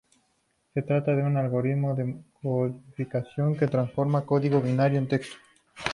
Se trata de un algoritmo de codificación que transforma código binario en texto.